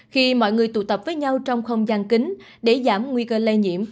khi mọi người tụ tập với nhau trong không gian kính để giảm nguy cơ lây nhiễm